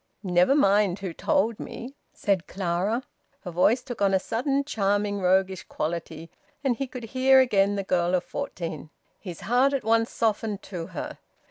"Never mind who told me," said Clara. Her voice took on a sudden charming roguish quality, and he could hear again the girl of fourteen. His heart at once softened to her.